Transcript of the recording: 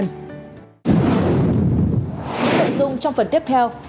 những nội dung trong phần tiếp theo